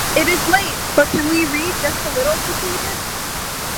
“It is late — but we can read just a little,” she pleaded.